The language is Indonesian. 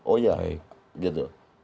oh ya gitu